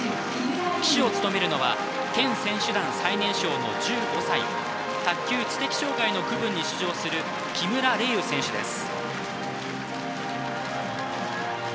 旗手を務めるのは県選手団最年少の１５歳卓球・知的障害の区分に出場する木村玲友選手です。